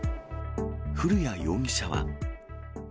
古谷容疑者は。